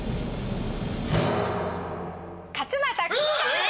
勝俣州和さんです！